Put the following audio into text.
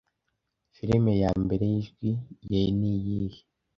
Filime ya mbere yijwi ya niyihe?